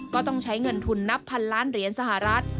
ก็ต้องใช้เงินทุนนับพันล้านเหรียญสหรัฐ